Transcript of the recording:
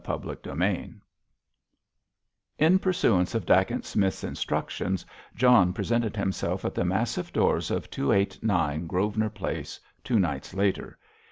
CHAPTER XXII In pursuance of Dacent Smith's instructions, John presented himself at the massive doors of 289, Grosvenor Place, two nights later.